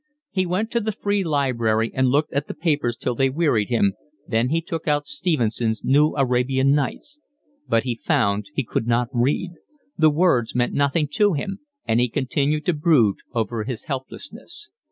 He went to the free library, and looked at the papers till they wearied him, then he took out Stevenson's New Arabian Nights; but he found he could not read: the words meant nothing to him, and he continued to brood over his helplessness.